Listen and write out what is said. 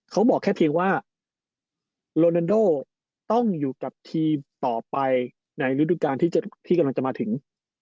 เขาบอกแค่เพียงว่าโรนันโดต้องอยู่กับทีมต่อไปในฤดูกาลที่กำลังจะมาถึง